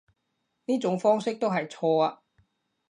呢種方式都係錯啊